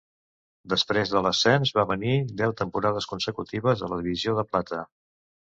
Després de l'ascens van venir deu temporades consecutives a la divisió de plata.